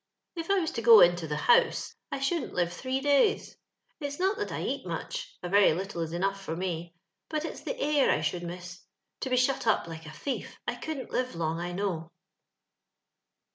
*' If I was to go into the House, I shouldn't live three days. It's not that I eat much — a very little is enough for me ; but it's tlie air I should miss: to be shut up like a thief. I couldn't live long, I know."